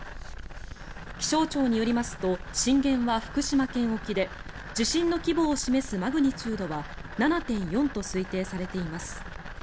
気象庁によりますと震源は福島県沖で地震の規模を示すマグニチュードは７．４と推定されています。